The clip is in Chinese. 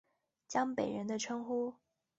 江北人的称呼。